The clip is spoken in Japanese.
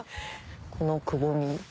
このくぼみ。